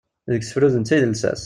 Deg usefru d netta ay d lsas.